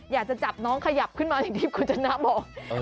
อยากจะจับน้องขยับขึ้นมาอย่างที่คุณชนะบอก